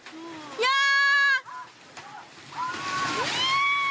いやー！